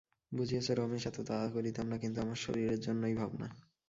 বুঝিয়াছ রমেশ, এত তাড়া করিতাম না, কিন্তু আমার শরীরের জন্যই ভাবনা।